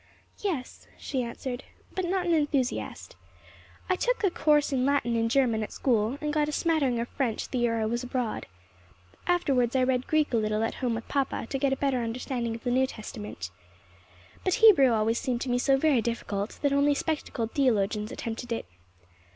"Yes," she answered, "though not an enthusiast. I took the course in Latin and German at school, and got a smattering of French the year I was abroad. Afterwards I read Greek a little at home with papa, to get a better understanding of the New Testament. But Hebrew always seemed to me so very difficult that only spectacled theologians attempted it.